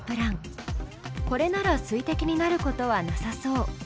これならすいてきになることはなさそう。